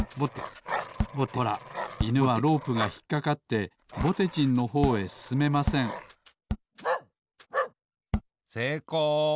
ほらいぬはロープがひっかかってぼてじんのほうへすすめませんせいこう。